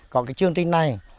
có cái chương trình này